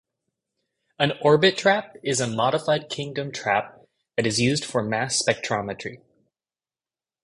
An Orbitrap is a modified Kingdon trap that is used for mass spectrometry.